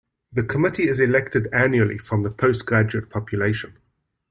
The Committee is elected annually from the postgraduate population.